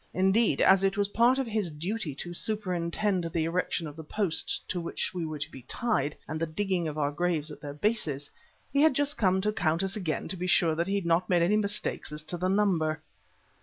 Indeed, as it was part of his duty to superintend the erection of the posts to which we were to be tied and the digging of our graves at their bases, he had just come to count us again to be sure that he had not made any mistake as to the number.